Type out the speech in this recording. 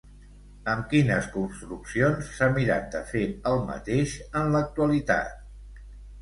Amb quines construccions s'ha mirat de fer el mateix en l'actualitat?